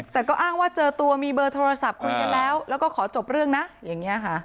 แต่ก็อ้างว่าเจอตัวมีเบอร์โทรศัพท์คุยกันแล้วแล้วก็ขอจบเรื่องนะอย่างนี้ค่ะ